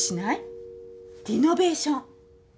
リノベーション。